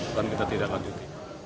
dan kita tidak lanjut